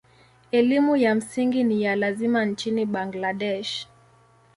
Elimu ya msingi ni ya lazima nchini Bangladesh.